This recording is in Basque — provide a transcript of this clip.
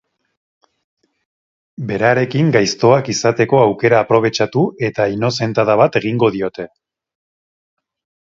Berarekin gaiztoak izateko aukera aprobetxatu eta inozentada bat egingo diote.